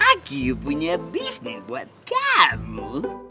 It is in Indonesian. lagi punya bisnis buat kamu